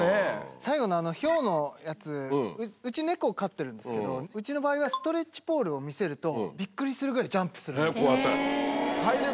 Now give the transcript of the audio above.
最後のヒョウのやつうち猫飼ってるんですけどうちの場合はストレッチポールを見せるとびっくりするぐらいジャンプするんです。